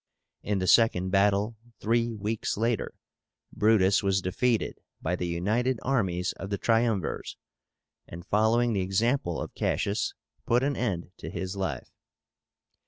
In the second battle, three weeks later, Brutus was defeated by the united armies of the Triumvirs, and, following the example of Cassius, put an end to his life.